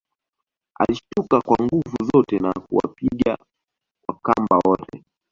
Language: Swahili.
Alishtuka kwa nguvu zote na kuwapiga Wakamba wote